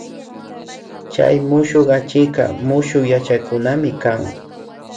Chay mushuk achikka mushuk yachaykunami kan